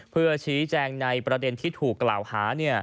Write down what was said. เพื่อชี้แจงในประเด็นที่ถูกกล่าวหา